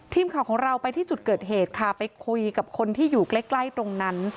ทีมข่าวของเราเป็นจุดเกิดเขตโทรศาสตร์จะไปคุยกับคนที่อย่าอยู่ใกล้ตรงนั้น